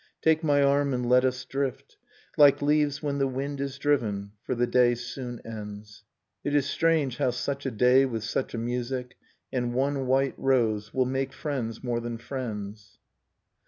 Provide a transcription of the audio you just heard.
, Take my arm, and let us drift ; Like leaves when the wind is driven ; for the day soon ends. i j White Nocturne It is strange how such a day, with such a music, And one white rose, will make friends more than friends